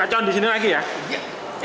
kamu jangan bikin kacauan di sini lagi ya